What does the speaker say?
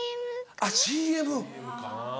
あっＣＭ。